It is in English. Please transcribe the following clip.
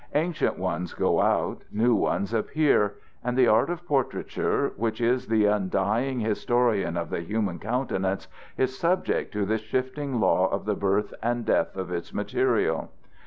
Ancient ones go out, new ones appear; and the art of portraiture, which is the undying historian of the human countenance, is subject to this shifting law of the birth and death of its material.